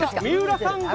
三浦さん